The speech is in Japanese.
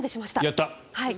やった！